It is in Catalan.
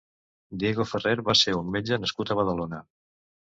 Diego Ferrer va ser un metge nascut a Badalona.